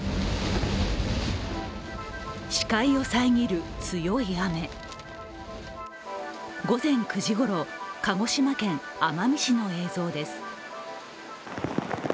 視界を遮る強い雨、午前９時ごろ、鹿児島県奄美市の映像です。